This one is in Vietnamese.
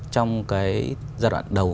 trong giai đoạn đầu